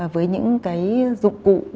với những cái dụng cụ